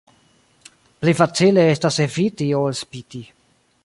Pli facile estas eviti ol spiti.